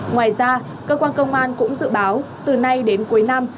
ngoài ra cơ quan công an cũng dự báo từ nay đến cuối năm